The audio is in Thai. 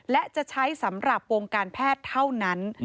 และจะใช้สำหรับวงการแพทย์เท่านั้น